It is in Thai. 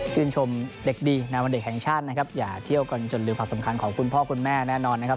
ชมเด็กดีในวันเด็กแห่งชาตินะครับอย่าเที่ยวกันจนลืมความสำคัญของคุณพ่อคุณแม่แน่นอนนะครับ